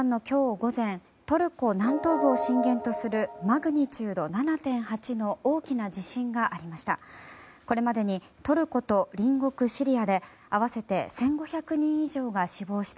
午前トルコ南東部を震源とするマグニチュード７．８の大きな地震がありました。